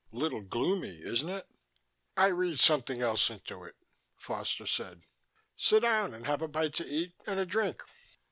"A little gloomy, isn't it?" "I read something else into it," Foster said. "Sit down and have a bite to eat and a drink."